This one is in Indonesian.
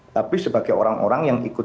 tapi sebagai orang orang yang ikut